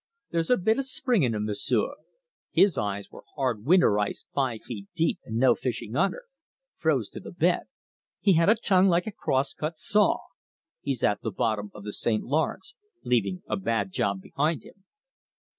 There's a bit of spring in 'em, M'sieu'. His eyes were hard winter ice five feet deep and no fishing under froze to the bed. He had a tongue like a cross cut saw. He's at the bottom of the St. Lawrence, leaving a bad job behind him.